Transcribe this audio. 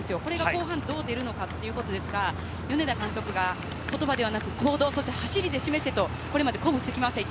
これが後半どう出るのかということですが、米田監督が言葉ではなく行動、走りで示せと言ってきました。